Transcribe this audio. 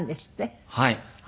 はい。